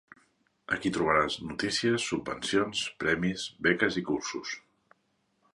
Aquí trobaràs notícies, subvencions, premis, beques i cursos.